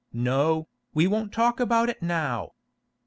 No, we won't talk about it now.